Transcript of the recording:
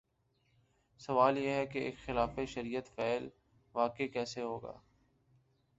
سوال یہ ہے کہ ایک خلاف شریعت فعل واقع کیسے ہوگا؟